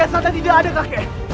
rai kiasata tidak ada kakek